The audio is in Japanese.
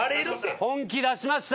本気出しました。